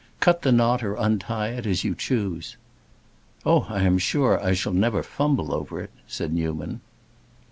Cut the knot or untie it, as you choose." "Oh, I am sure I shall never fumble over it!" said Newman.